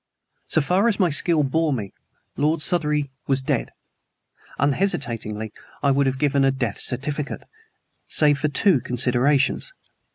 So far as my skill bore me, Lord Southery was dead. Unhesitatingly, I would have given a death certificate, save for two considerations.